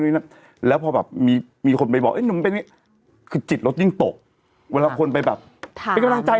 นี่น่ะแล้วพอแบบมีมีคนไปบอกเอ๊ะนุ่มเป็นไงคือจิตรสยิ่งตกเวลาคนไปแบบถามให้นะ